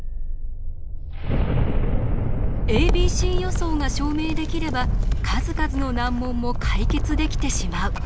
ａｂｃ予想が証明できれば数々の難問も解決できてしまう。